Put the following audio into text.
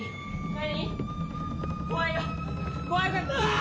何？